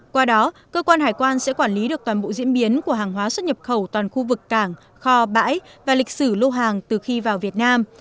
qua đó cơ quan hải quan sẽ quản lý được toàn bộ diễn biến của hàng hóa xuất nhập khẩu toàn khu vực cảng kho bãi và lịch sử lô hàng từ khi vào việt nam